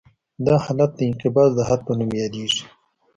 دا حالت د انقباض د حد په نوم یادیږي